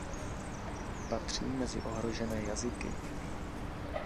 Patří mezi ohrožené jazyky.